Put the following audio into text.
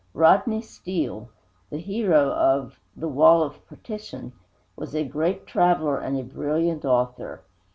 Rodney Steele the hero of The Wall of Partition was a great traveler and a brilliant author.